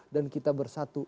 dan kita bersatu